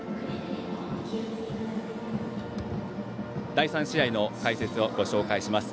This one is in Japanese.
第３試合の解説をご紹介します。